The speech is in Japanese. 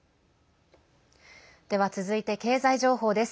では、続いて経済情報です。